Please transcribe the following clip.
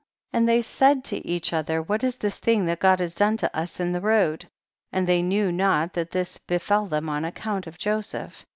29. And they said to each other^ what is this thing that God has done to us in the road 1 and they knew not that this befel them on account of Joseph.